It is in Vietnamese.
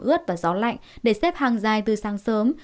ướt và gió lạnh để xếp hàng dài từ sáng sớm